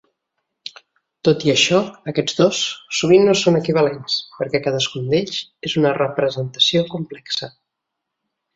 Tot i això, aquests dos sovint no són equivalents, perquè cadascun d'ells és una representació complexa.